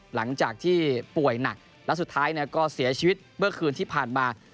หลังจากที่ป่วยหนักและสุดท้ายก็เสียชีวิตเมื่อคืนที่ผ่านมา